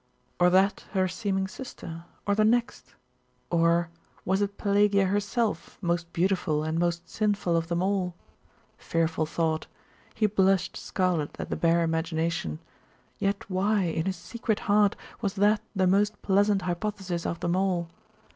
Or that, her seeming sister? Or the next?.... Or Was it Pelagia herself, most beautiful and most sinful of them all? Fearful thought! He blushed scarlet at the bare imagination: yet why, in his secret heart, was that the most pleasant hypothesis of them all?